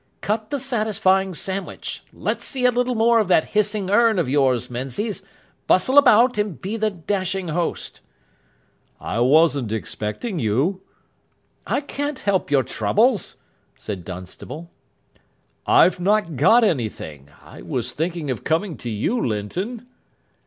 "Cut the satisfying sandwich. Let's see a little more of that hissing urn of yours, Menzies. Bustle about, and be the dashing host." "I wasn't expecting you." "I can't help your troubles," said Dunstable. "I've not got anything. I was thinking of coming to you, Linton."